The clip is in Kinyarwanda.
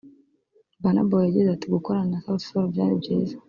Burna Boy yagize ati “Gukorana na Sauti Sol byari byiza